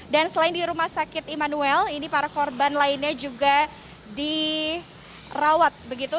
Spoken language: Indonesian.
dan selain di rumah sakit immanuel ini para korban lainnya juga dirawat begitu